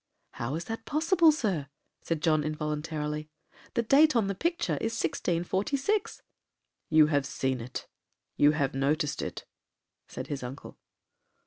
'How is that possible, Sir?' said John involuntarily, 'the date on the picture is 1646.' 'You have seen it,—you have noticed it,' said his uncle.